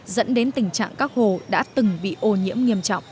dẫn đến tình trạng các hồ đã từng bị ô nhiễm nghiêm trọng